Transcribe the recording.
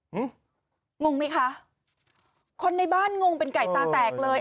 อืมงงไหมคะคนในบ้านงงเป็นไก่ตาแตกเลย